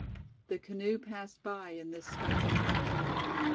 The canoe passed by in this spectral fashion.